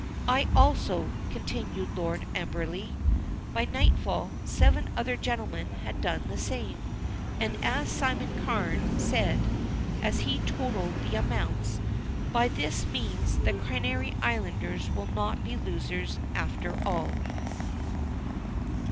"I also," continued Lord Amberley. By nightfall seven other gentleman had done the same, and, as Simon Carne said as he totalled the amounts: "By this means the Canary Islanders will not be losers after all."